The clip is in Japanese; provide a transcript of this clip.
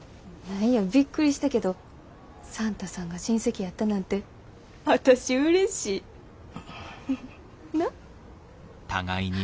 何やびっくりしたけどサンタさんが親戚やったなんて私うれしい！